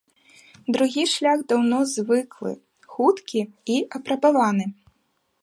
Другі шлях даўно звыклы, хуткі і апрабаваны.